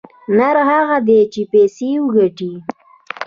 نر هغه دى چې پيسې وگټي.